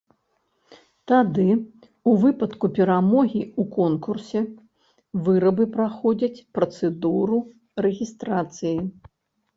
Тады ў выпадку перамогі ў конкурсе вырабы праходзяць працэдуру рэгістрацыі.